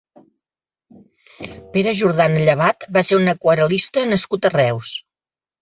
Pere Jordana Llevat va ser un aquarel·lista nascut a Reus.